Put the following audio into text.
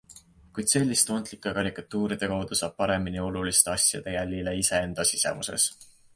Kuid selliste ontlike karikatuuride kaudu saab paremini oluliste asjade jälile iseenda sisemuses.